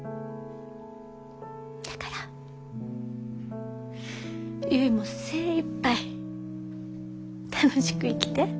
だから結も精いっぱい楽しく生きて。